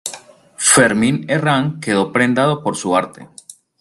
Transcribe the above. Fermín Herrán, quedó prendado por su arte.